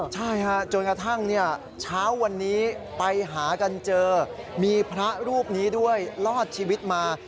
ใช่จนกระทั่งเช้าวันนี้ไปหากันเจอมีพระรูปนี้ด้วยรอดชีวิตมา